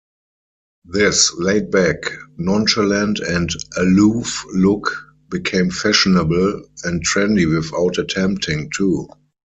This laid back, nonchalant, and aloof look became fashionable and trendy without attempting to.